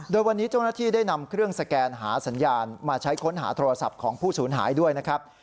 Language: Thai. โดยวันนี้เจ้าหน้าที่ได้นำเครื่องสแกนหาสัญญาณมาใช้ค้นหาโทรศัพท์ของผู้สูญหายด้วยนะครับ